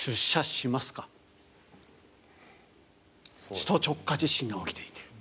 首都直下地震が起きていて。